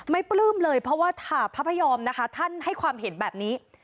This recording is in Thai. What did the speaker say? ปลื้มเลยเพราะว่าพระพยอมนะคะท่านให้ความเห็นแบบนี้